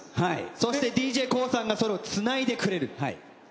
そしてＤＪＫＯＯさんがそれをつないでくれる。